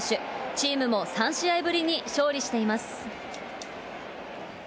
チームも３試合ぶりに勝利しています。